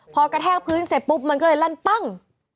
พอกระแทกพื้นเสร็จปุ๊บมันก็เลยลั่นปั้ง